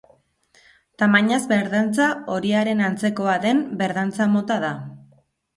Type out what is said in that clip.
Tamainaz berdantza horiaren antzekoa den berdantza mota da.